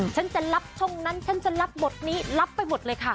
ฉันจะรับช่องนั้นฉันจะรับบทนี้รับไปหมดเลยค่ะ